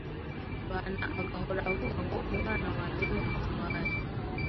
bana agahora avuga ngo umwana wanjye ni umutware,